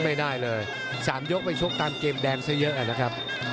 ไม่ได้เลย๓ยกไปชกตามเกมแดงซะเยอะนะครับ